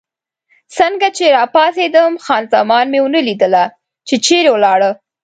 څنګه چې راپاڅېدم، خان زمان مې ونه لیدله، چې چېرې ولاړه.